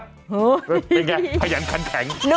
ไปไงพยานขันแข็ง